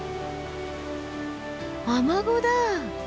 アマゴだ。